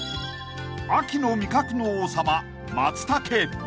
［秋の味覚の王様］